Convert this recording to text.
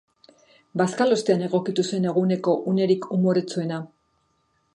Bazkalostean egokitu zen eguneko unerik umoretsuena.